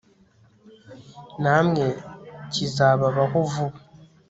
namwe bizababaho vuba